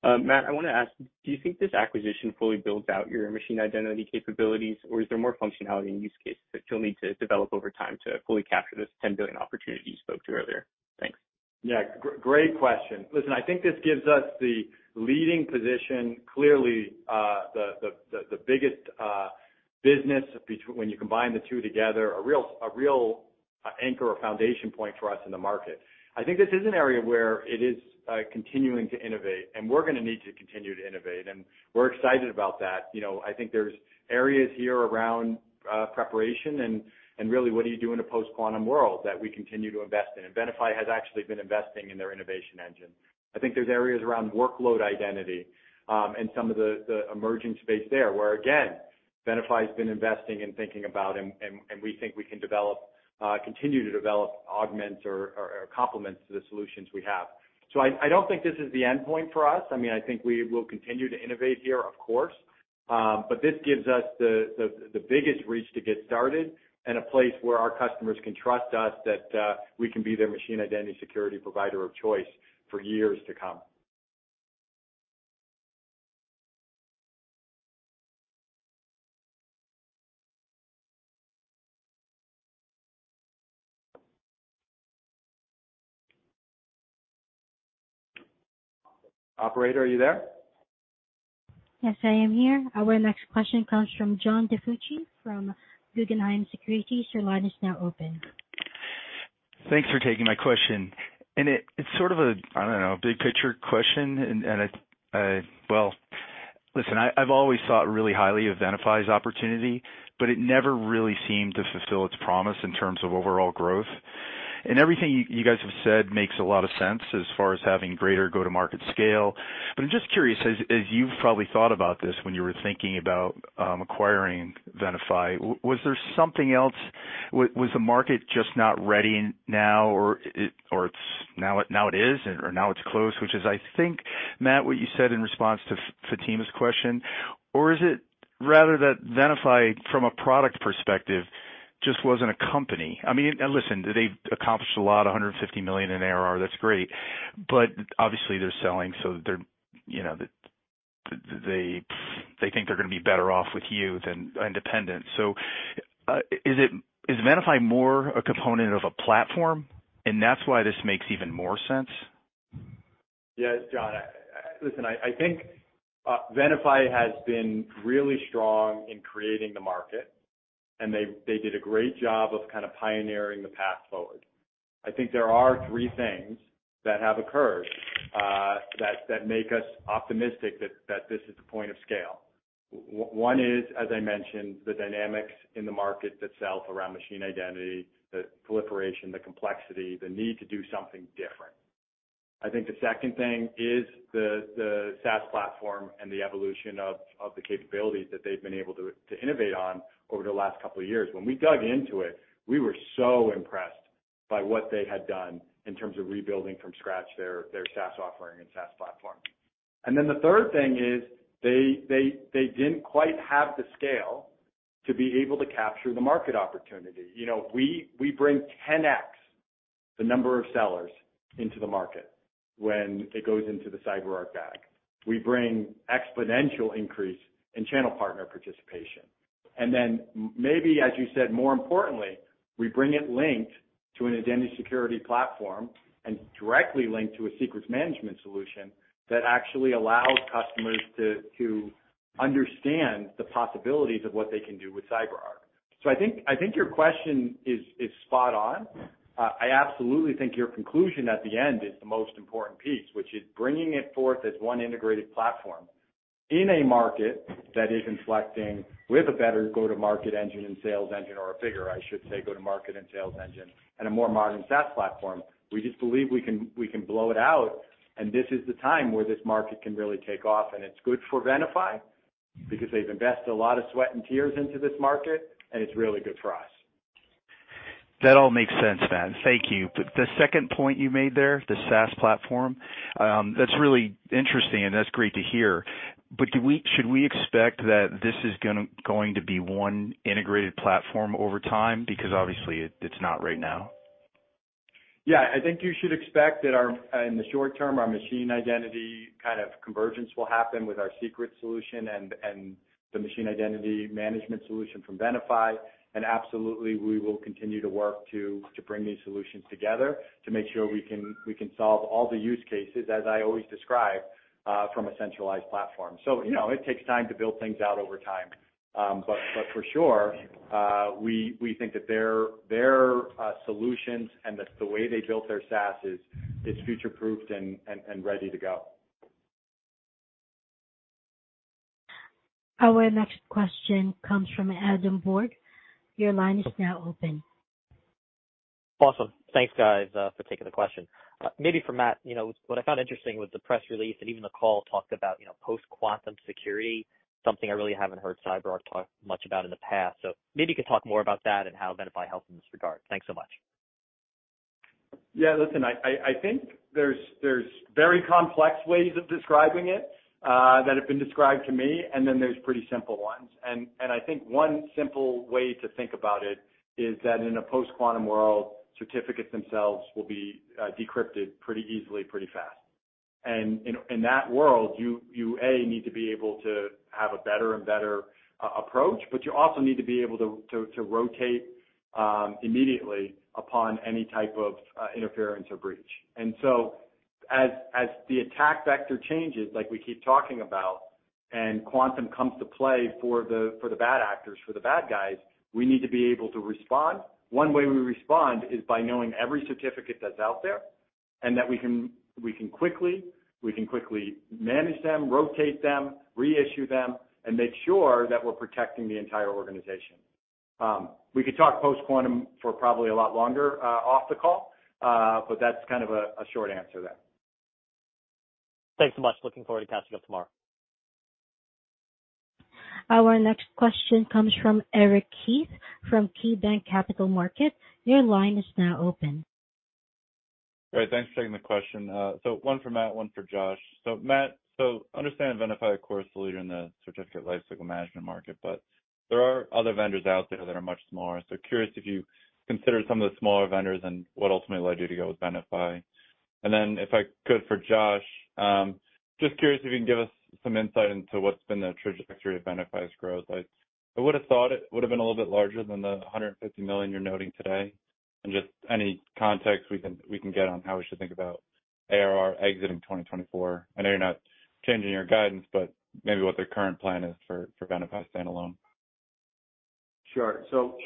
Matt, I want to ask, do you think this acquisition fully builds out your machine identity capabilities, or is there more functionality and use cases that you'll need to develop over time to fully capture this $10 billion opportunity you spoke to earlier? Thanks. Yeah, great question. Listen, I think this gives us the leading position, clearly, the biggest business when you combine the two together, a real anchor or foundation point for us in the market. I think this is an area where it is continuing to innovate, and we're gonna need to continue to innovate, and we're excited about that. You know, I think there's areas here around preparation and really, what do you do in a post-quantum world that we continue to invest in? And Venafi has actually been investing in their innovation engine. I think there's areas around workload identity, and some of the emerging space there, where, again, Venafi's been investing and thinking about, and we think we can develop, continue to develop, augment or complement to the solutions we have. So I don't think this is the endpoint for us. I mean, I think we will continue to innovate here, of course, but this gives us the biggest reach to get started and a place where our customers can trust us that we can be their machine identity security provider of choice for years to come. Operator, are you there? Yes, I am here. Our next question comes from John DiFucci from Guggenheim Securities. Your line is now open. Thanks for taking my question, and it's sort of a—I don't know—big picture question. Well, listen, I've always thought really highly of Venafi's opportunity, but it never really seemed to fulfill its promise in terms of overall growth. And everything you guys have said makes a lot of sense as far as having greater go-to-market scale. But I'm just curious, as you've probably thought about this when you were thinking about acquiring Venafi, was there something else? Was the market just not ready, or now it is, or now it's close, which is, I think, Matt, what you said in response to Fatima's question, or is it rather that Venafi, from a product perspective, just wasn't a company? I mean, and listen, they've accomplished a lot, $150 million in ARR, that's great. But obviously they're selling, so they're, you know, they think they're gonna be better off with you than independent. So, is Venafi more a component of a platform, and that's why this makes even more sense? Yes, John. Listen, I think Venafi has been really strong in creating the market, and they did a great job of kind of pioneering the path forward. I think there are three things that have occurred that make us optimistic that this is the point of scale. One is, as I mentioned, the dynamics in the market itself around machine identity, the proliferation, the complexity, the need to do something different. I think the second thing is the SaaS platform and the evolution of the capabilities that they've been able to innovate on over the last couple of years. When we dug into it, we were so impressed by what they had done in terms of rebuilding from scratch their SaaS offering and SaaS platform. And then the third thing is, they didn't quite have the scale to be able to capture the market opportunity. You know, we bring 10x the number of sellers into the market when it goes into the CyberArk bag. We bring exponential increase in channel partner participation. And then maybe, as you said, more importantly, we bring it linked to an identity security platform and directly linked to a secrets management solution that actually allows customers to understand the possibilities of what they can do with CyberArk. So I think your question is spot on. I absolutely think your conclusion at the end is the most important piece, which is bringing it forth as one integrated platform in a market that is inflecting with a better go-to-market engine and sales engine, or a bigger, I should say, go-to-market and sales engine and a more modern SaaS platform. We just believe we can, we can blow it out, and this is the time where this market can really take off, and it's good for Venafi because they've invested a lot of sweat and tears into this market, and it's really good for us. That all makes sense, Matt. Thank you. But the second point you made there, the SaaS platform, that's really interesting, and that's great to hear. But should we expect that this is going to be one integrated platform over time? Because obviously, it, it's not right now. Yeah, I think you should expect that our, in the short term, our machine identity kind of convergence will happen with our Secrets solution and the machine identity management solution from Venafi. And absolutely, we will continue to work to bring these solutions together to make sure we can solve all the use cases, as I always describe, from a centralized platform. So, you know, it takes time to build things out over time. But for sure, we think that their solutions and the way they built their SaaS is future-proofed and ready to go. Our next question comes from Adam Borg. Your line is now open. Awesome. Thanks, guys, for taking the question. Maybe for Matt, you know, what I found interesting with the press release and even the call talked about, you know, post-quantum security, something I really haven't heard CyberArk talk much about in the past. So maybe you could talk more about that and how Venafi helped in this regard. Thanks so much. Yeah, listen, I think there's very complex ways of describing it that have been described to me, and then there's pretty simple ones. And I think one simple way to think about it is that in a post-quantum world, certificates themselves will be decrypted pretty easily, pretty fast. And in that world, you need to be able to have a better and better approach, but you also need to be able to rotate immediately upon any type of interference or breach. And so as the attack vector changes, like we keep talking about, and quantum comes to play for the bad actors, for the bad guys, we need to be able to respond. One way we respond is by knowing every certificate that's out there, and that we can quickly manage them, rotate them, reissue them, and make sure that we're protecting the entire organization. We could talk post-quantum for probably a lot longer, off the call, but that's kind of a short answer there. Thanks so much. Looking forward to catching up tomorrow. Our next question comes from Eric Heath, from KeyBanc Capital Markets. Your line is now open. Great. Thanks for taking the question. So one for Matt, one for Josh. So Matt, understand Venafi, of course, the leader in the certificate lifecycle management market, but there are other vendors out there that are much smaller. So curious if you consider some of the smaller vendors and what ultimately led you to go with Venafi. And then, if I could, for Josh, just curious if you can give us some insight into what's been the trajectory of Venafi's growth. Like, I would've thought it would've been a little bit larger than the $150 million you're noting today, and just any context we can get on how we should think about ARR exiting in 2024. I know you're not changing your guidance, but maybe what the current plan is for Venafi standalone. Sure. So,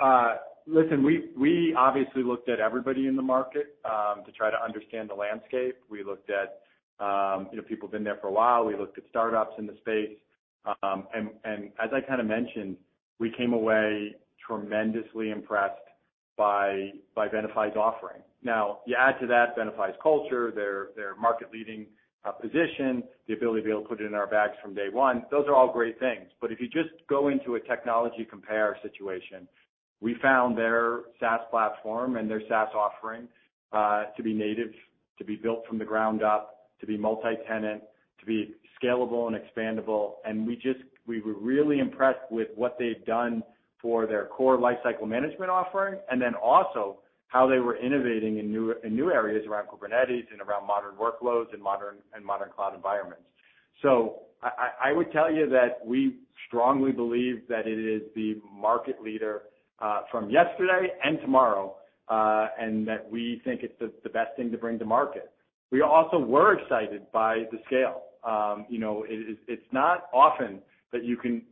listen, we obviously looked at everybody in the market to try to understand the landscape. We looked at, you know, people who've been there for a while. We looked at startups in the space. And as I kind of mentioned, we came away tremendously impressed by Venafi's offering. Now, you add to that Venafi's culture, their market-leading position, the ability to be able to put it in our bags from day one. Those are all great things. But if you just go into a technology compare situation, we found their SaaS platform and their SaaS offering to be native, to be built from the ground up, to be multi-tenant, to be scalable and expandable. We just, we were really impressed with what they've done for their core lifecycle management offering, and then also how they were innovating in new areas around Kubernetes and around modern workloads and modern cloud environments... So I would tell you that we strongly believe that it is the market leader from yesterday and tomorrow, and that we think it's the best thing to bring to market. We also were excited by the scale. You know, it's not often that you can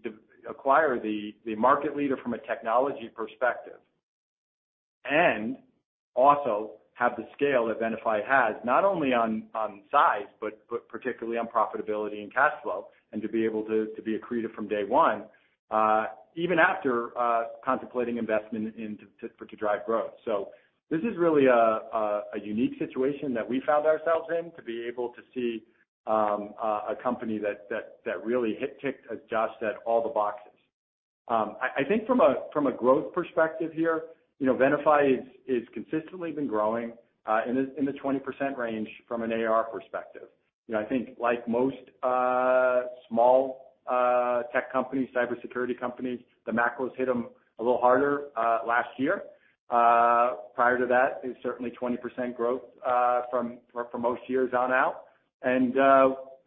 acquire the market leader from a technology perspective and also have the scale that Venafi has, not only on size, but particularly on profitability and cash flow, and to be able to be accretive from day one, even after contemplating investment to drive growth. So this is really a unique situation that we found ourselves in, to be able to see a company that really, it ticked, as Josh said, all the boxes. I think from a growth perspective here, you know, Venafi is consistently been growing in the 20% range from an ARR perspective. You know, I think like most small tech companies, cybersecurity companies, the macros hit them a little harder last year. Prior to that, it was certainly 20% growth for most years out. And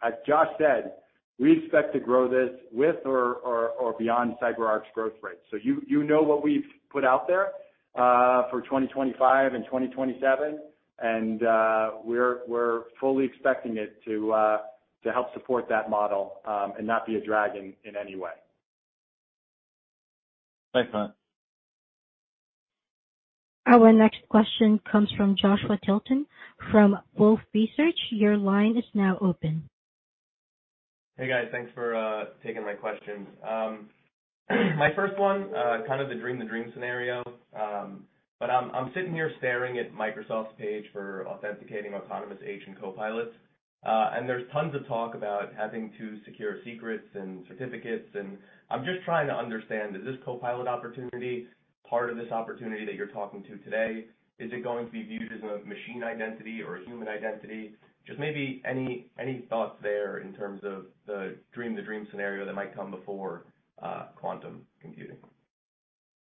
as Josh said, we expect to grow this with or beyond CyberArk's growth rate. So you know what we've put out there for 2025 and 2027, and we're fully expecting it to help support that model, and not be a drag in any way. Thanks, Matt. Our next question comes from Joshua Tilton from Wolfe Research. Your line is now open. Hey, guys. Thanks for taking my questions. My first one, kind of the dream, the dream scenario. But I'm, I'm sitting here staring at Microsoft's page for authenticating autonomous agent Copilots, and there's tons of talk about having to secure secrets and certificates, and I'm just trying to understand, is this Copilot opportunity part of this opportunity that you're talking to today? Is it going to be viewed as a machine identity or a human identity? Just maybe any, any thoughts there in terms of the dream, the dream scenario that might come before quantum computing?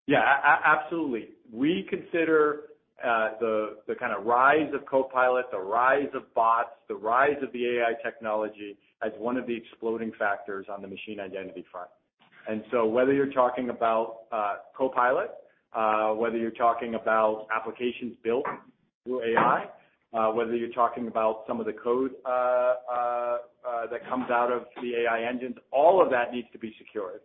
Yeah, absolutely. We consider the kind of rise of Copilot, the rise of bots, the rise of the AI technology as one of the exploding factors on the machine identity front. And so whether you're talking about Copilot, whether you're talking about applications built through AI, whether you're talking about some of the code that comes out of the AI engines, all of that needs to be secured.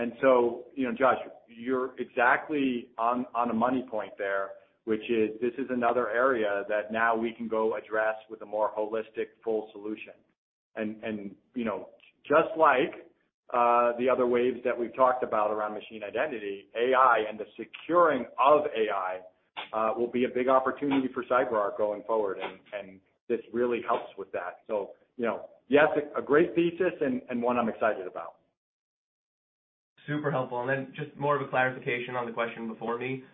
And so, you know, Josh, you're exactly on a money point there, which is this is another area that now we can go address with a more holistic, full solution. And, you know, just like the other waves that we've talked about around machine identity, AI and the securing of AI will be a big opportunity for CyberArk going forward, and this really helps with that. So, you know, yes, a great thesis and, and one I'm excited about. Super helpful. And then just more of a clarification on the question before me.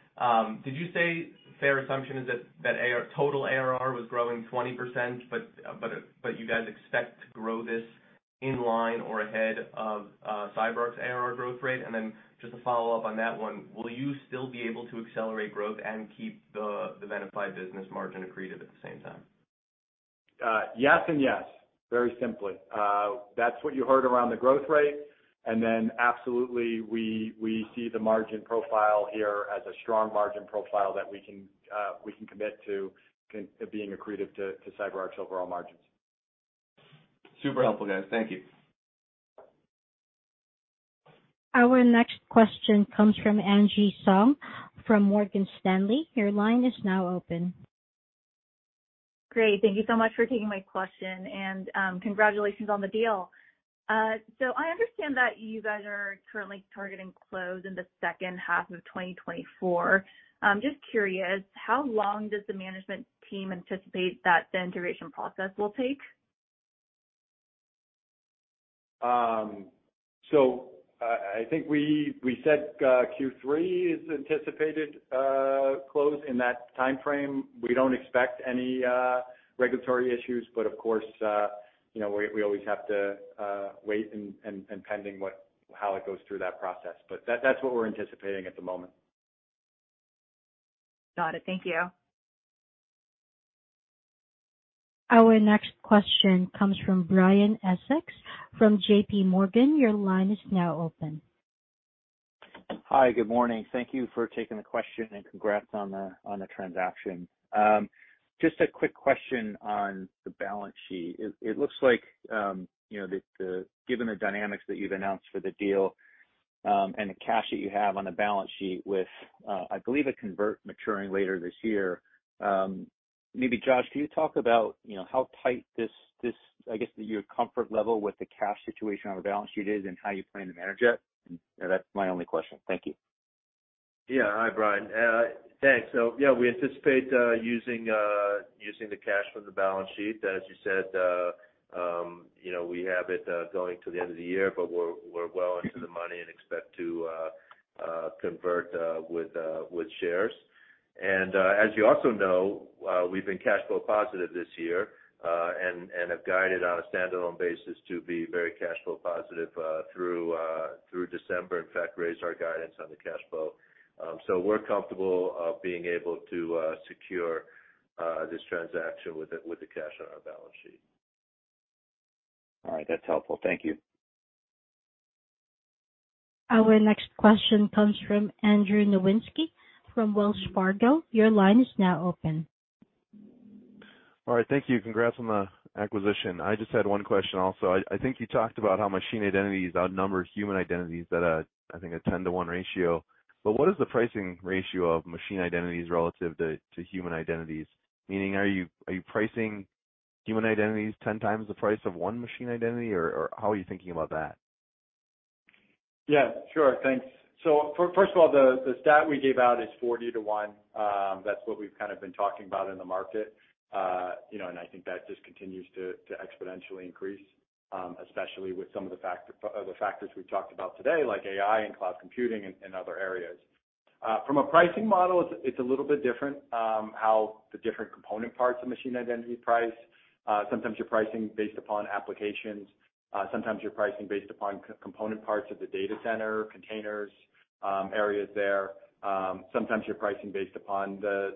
Did you say fair assumption is that total ARR was growing 20%, but you guys expect to grow this in line or ahead of CyberArk's ARR growth rate? And then just to follow up on that one, will you still be able to accelerate growth and keep the Venafi business margin accretive at the same time? Yes and yes, very simply. That's what you heard around the growth rate. And then absolutely, we, we see the margin profile here as a strong margin profile that we can, we can commit to being accretive to, to CyberArk's overall margins. Super helpful, guys. Thank you. Our next question comes from Angie Song from Morgan Stanley. Your line is now open. Great. Thank you so much for taking my question, and, congratulations on the deal. So I understand that you guys are currently targeting close in the second half of 2024. I'm just curious, how long does the management team anticipate that the integration process will take? So, I think we said Q3 is anticipated close in that timeframe. We don't expect any regulatory issues, but of course, you know, we always have to wait and pending what, how it goes through that process. But that's what we're anticipating at the moment. Got it. Thank you. Our next question comes from Brian Essex from JPMorgan. Your line is now open. Hi, good morning. Thank you for taking the question and congrats on the transaction. Just a quick question on the balance sheet. It looks like, you know, the given the dynamics that you've announced for the deal, and the cash that you have on the balance sheet with, I believe a convert maturing later this year, maybe Josh, can you talk about, you know, how tight this is, I guess, your comfort level with the cash situation on the balance sheet is and how you plan to manage it? That's my only question. Thank you. Yeah. Hi, Brian. Thanks. So yeah, we anticipate using the cash from the balance sheet. As you said, you know, we have it going to the end of the year, but we're well into the money and expect to convert with shares. And as you also know, we've been cash flow positive this year and have guided on a standalone basis to be very cash flow positive through December. In fact, raised our guidance on the cash flow. So we're comfortable being able to secure this transaction with the cash on our balance sheet. All right, that's helpful. Thank you. Our next question comes from Andrew Nowinski from Wells Fargo. Your line is now open. All right. Thank you. Congrats on the acquisition. I just had one question also. I think you talked about how machine identities outnumber human identities at a 10-to-1 ratio. But what is the pricing ratio of machine identities relative to human identities? Meaning, are you pricing human identities 10x the price of one machine identity, or how are you thinking about that? Yeah, sure. Thanks. So first of all, the stat we gave out is 40 to 1. That's what we've kind of been talking about in the market. You know, and I think that just continues to exponentially increase, especially with some of the factors we've talked about today, like AI and cloud computing and other areas. From a pricing model, it's a little bit different how the different component parts of machine identity price. Sometimes you're pricing based upon applications, sometimes you're pricing based upon component parts of the data center, containers, areas there. Sometimes you're pricing based upon the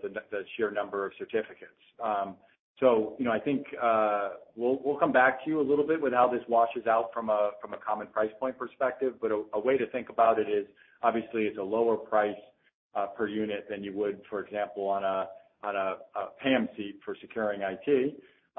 sheer number of certificates. So, you know, I think, we'll, we'll come back to you a little bit with how this washes out from a, from a common price point perspective. But a, a way to think about it is, obviously, it's a lower price, per unit than you would, for example, on a, on a, a PAM seat for securing IT. You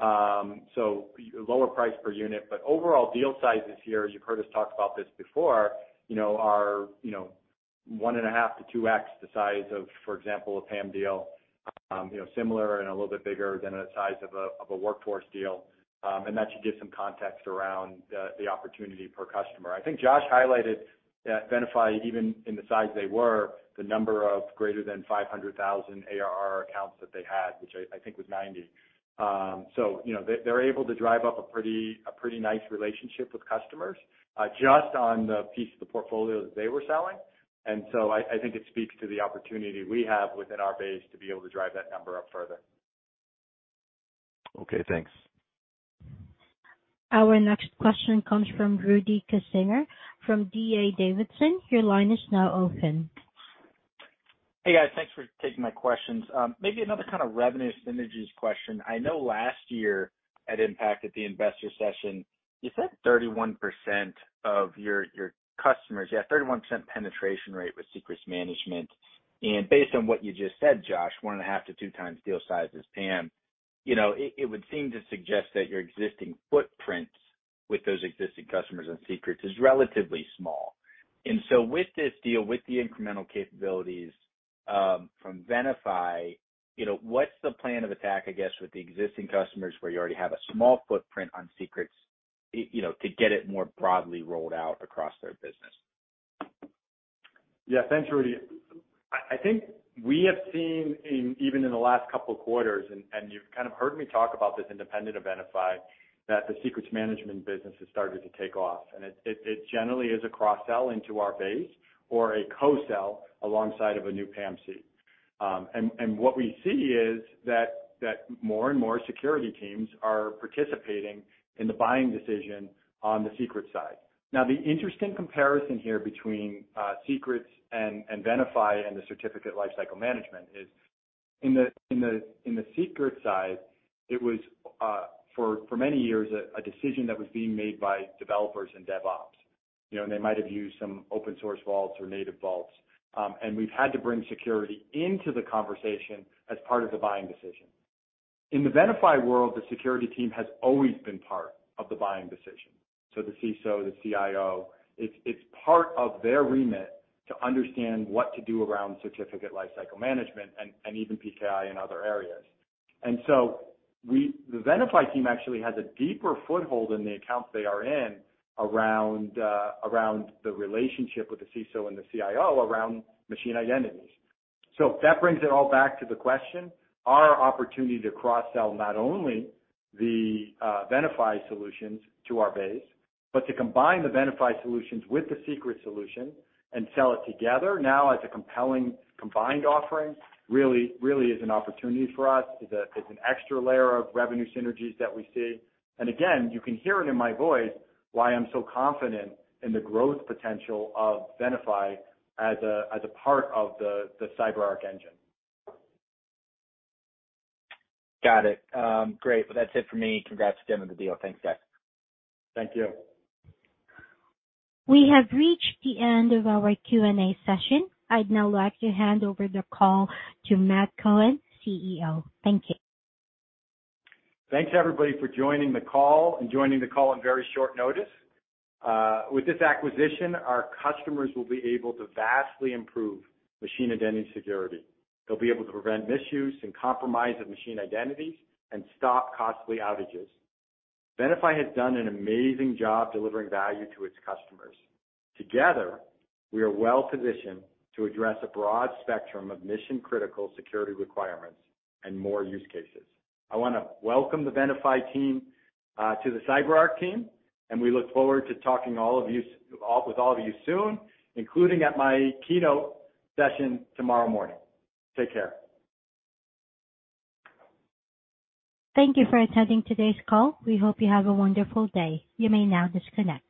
know, similar and a little bit bigger than the size of a, of a Workforce deal. And that should give some context around the, the opportunity per customer. I think Josh highlighted that Venafi, even in the size they were, the number of greater than 500,000 ARR accounts that they had, which I think was 90. So, you know, they're able to drive up a pretty nice relationship with customers, just on the piece of the portfolio that they were selling. And so I think it speaks to the opportunity we have within our base to be able to drive that number up further. Okay, thanks. Our next question comes from Rudy Kessinger from D.A. Davidson. Your line is now open. Hey, guys. Thanks for taking my questions. Maybe another kind of revenue synergies question. I know last year at Impact, at the investor session, you said 31% of your, your customers... You had 31% penetration rate with Secrets Management. And based on what you just said, Josh, 1.5-2x deal size as PAM, you know, it, it would seem to suggest that your existing footprints with those existing customers on Secrets is relatively small. And so with this deal, with the incremental capabilities from Venafi, you know, what's the plan of attack, I guess, with the existing customers where you already have a small footprint on Secrets, you know, to get it more broadly rolled out across their business? Yeah, thanks, Rudy. I think we have seen, even in the last couple of quarters, and you've kind of heard me talk about this independent of Venafi, that the Secrets Management business has started to take off, and it generally is a cross-sell into our base or a co-sell alongside of a new PAM seat. And what we see is that more and more security teams are participating in the buying decision on the Secrets side. Now, the interesting comparison here between Secrets and Venafi and the certificate lifecycle management is, in the Secrets side, it was, for many years, a decision that was being made by developers and DevOps. You know, and they might have used some open source vaults or native vaults. And we've had to bring security into the conversation as part of the buying decision. In the Venafi world, the security team has always been part of the buying decision. So the CISO, the CIO, it's part of their remit to understand what to do around certificate lifecycle management and even PKI and other areas. And so we Venafi team actually has a deeper foothold in the accounts they are in around, around the relationship with the CISO and the CIO around machine identities. So that brings it all back to the question, our opportunity to cross-sell not only the Venafi solutions to our base, but to combine the Venafi solutions with the Secrets solution and sell it together now as a compelling combined offering, really, really is an opportunity for us. It's an extra layer of revenue synergies that we see. And again, you can hear it in my voice why I'm so confident in the growth potential of Venafi as a part of the CyberArk engine. Got it. Great. Well, that's it for me. Congrats again on the deal. Thanks, guys. Thank you. We have reached the end of our Q&A session. I'd now like to hand over the call to Matt Cohen, CEO. Thank you. Thanks, everybody, for joining the call and joining the call on very short notice. With this acquisition, our customers will be able to vastly improve machine identity security. They'll be able to prevent misuse and compromise of machine identities and stop costly outages. Venafi has done an amazing job delivering value to its customers. Together, we are well positioned to address a broad spectrum of mission-critical security requirements and more use cases. I wanna welcome the Venafi team to the CyberArk team, and we look forward to talking with all of you soon, including at my keynote session tomorrow morning. Take care. Thank you for attending today's call. We hope you have a wonderful day. You may now disconnect.